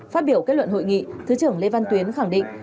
phát biểu kết luận hội nghị thứ trưởng lê văn tuyến khẳng định